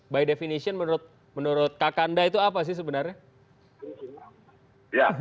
by definition menurut kak kanda itu apa sih sebenarnya